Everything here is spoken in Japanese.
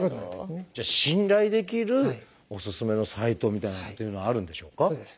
じゃあ信頼できるおすすめのサイトみたいなのっていうのはあるんでしょうか？